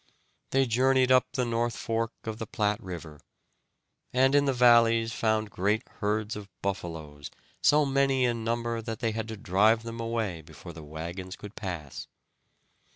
They journeyed up the north fork of the Platte River, and in the valleys found great herds of buffaloes, so many in number that they had to drive them away before the wagons could pass.